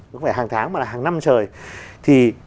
không phải hàng tháng mà là hàng năm trời